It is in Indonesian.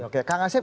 oke kak ngasip